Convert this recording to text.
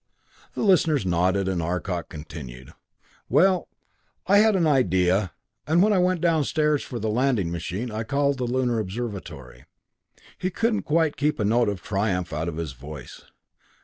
The listeners nodded and Arcot continued. "Well I had an idea and when I went downstairs for the handling machine, I called the Lunar Observatory." He couldn't quite keep a note of triumph out of his voice.